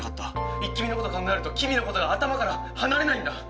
「イッキ見！」のこと考えるとキミのことが頭から離れないんだ！